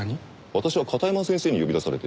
私は片山先生に呼び出されて。